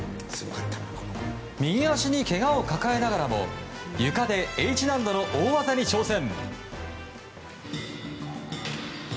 右足にけがを抱えながらもゆかでＨ難度の大技に挑戦。